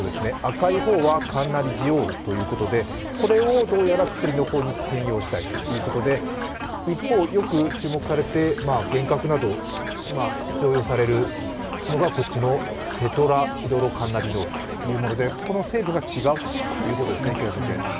赤い、カンナビジールの方これをどうやら薬の方に転用したいということで一方、よく注目されて幻覚などがあるこっちのテトラヒドロカンナビノールと、成分が違うということですね。